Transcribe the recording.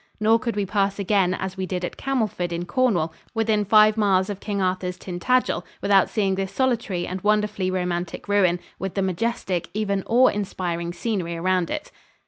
Nor could we pass again as we did at Camelford in Cornwall within five miles of King Arthur's Tintagel without seeing this solitary and wonderfully romantic ruin, with the majestic even awe inspiring scenery around it.